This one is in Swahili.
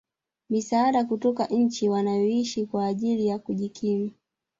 misaada kutoka nchi wanayoishi kwa ajili ya kujikimu